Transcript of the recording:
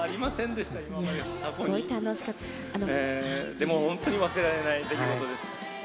でも本当に忘れられない出来事です。